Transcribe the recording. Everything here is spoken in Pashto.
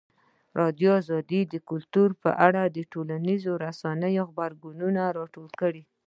ازادي راډیو د کلتور په اړه د ټولنیزو رسنیو غبرګونونه راټول کړي.